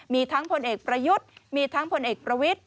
มีทั้งพลเอกประยุทธ์มีทั้งผลเอกประวิทธิ